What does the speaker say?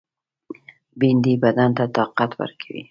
بېنډۍ بدن ته طاقت ورکوي